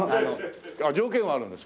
条件はあるんですか？